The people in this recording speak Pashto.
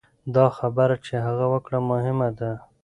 دا خبره چې هغه وکړه مهمه ده.